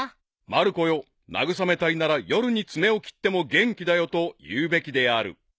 ［まる子よ慰めたいなら「夜に爪を切っても元気だよ」と言うべきである］